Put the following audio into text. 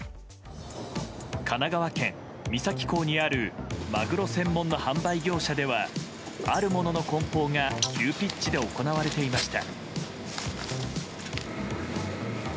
神奈川県三崎港にあるマグロ専門の販売業者ではあるものの梱包が急ピッチで行われていました。